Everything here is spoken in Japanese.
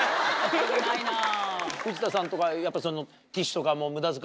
危ないなぁ。